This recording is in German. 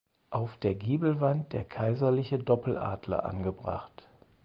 Auf der Giebelwand der kaiserliche Doppeladler angebracht.